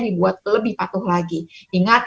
dibuat lebih patuh lagi ingat